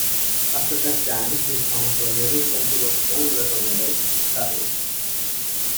After that time his songs were released on Tudor's own record label, "Fable".